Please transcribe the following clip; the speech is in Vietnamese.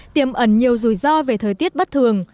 tiềm ẩn nhiều rủi ro về thời tiết bất thường